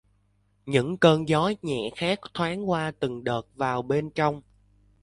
Những cơn gió nhẹ khác thoáng qua từng đợt vào bên trong